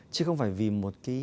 chứ không phải vì một cái